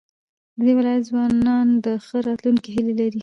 د دې ولايت ځوانان د ښه راتلونکي هيلې لري.